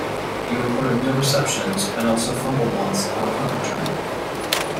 He recorded no receptions and also fumbled once on a punt return.